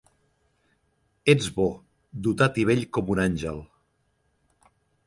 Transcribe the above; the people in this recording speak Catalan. Ets bo, dotat i bell com un àngel.